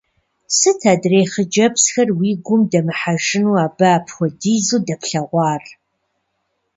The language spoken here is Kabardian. Сыт адрей хъыджэбзхэр уи гум дэмыхьэжыну, абы апхуэдизу дэплъэгъуар?